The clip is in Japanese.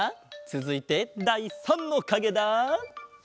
つづいてだい３のかげだ。